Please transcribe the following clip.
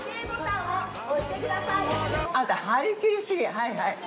はいはい。